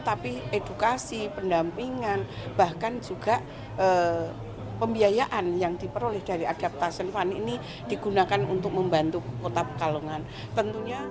tapi edukasi pendampingan bahkan juga pembiayaan yang diperoleh dari adaptation fund ini digunakan untuk membantu kota pekalongan